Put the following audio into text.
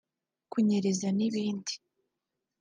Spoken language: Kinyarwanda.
kunyereza n’ibindi